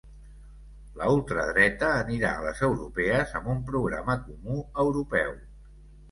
La ultradreta anirà a les europees amb un programa comú europeu